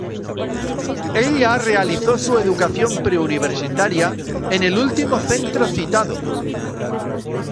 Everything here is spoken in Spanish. Ella realizó su educación preuniversitaria en el último centro citado.